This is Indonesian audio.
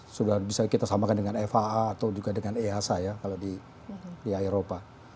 sudah bisa kita samakan dengan faa atau juga dengan easa ya kalau di eropa